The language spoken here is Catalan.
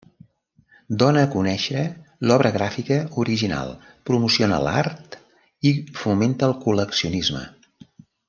Dona a conèixer l'obra gràfica original, promociona l'art i fomenta el col·leccionisme.